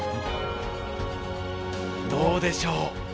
どうでしょう。